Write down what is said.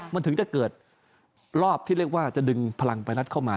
มันถึงจะเกิดรอบที่เรียกว่าจะดึงพลังไปรัฐเข้ามา